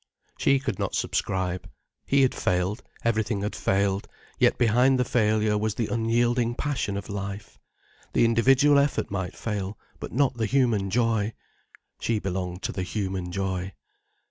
She could not subscribe. He had failed, everything had failed, yet behind the failure was the unyielding passion of life. The individual effort might fail, but not the human joy. She belonged to the human joy.